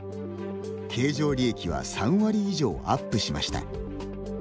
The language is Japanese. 経常利益は３割以上アップしました。